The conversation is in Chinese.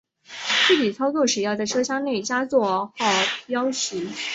具体操作时要在车厢内加座位号标识。